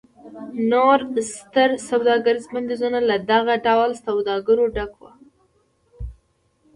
نور ستر سوداګریز بندرونه له دغه ډول سوداګرو ډک و.